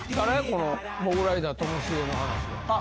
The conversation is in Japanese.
このモグライダーともしげの話は？